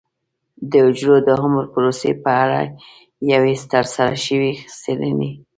د حجرو د عمر پروسې په اړه یوې ترسره شوې څېړنې